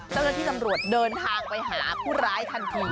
เจ้าหน้าที่ตำรวจเดินทางไปหาผู้ร้ายทันที